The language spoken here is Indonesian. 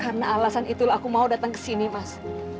karena alasan itulah aku mau datang kesini mas